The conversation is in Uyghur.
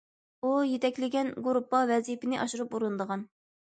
ئۇ يېتەكلىگەن گۇرۇپپا ۋەزىپىنى ئاشۇرۇپ ئورۇندىغان.